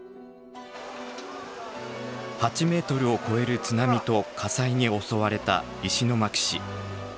８ｍを超える津波と火災に襲われた石巻市。